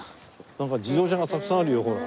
なんか自動車がたくさんあるよほら。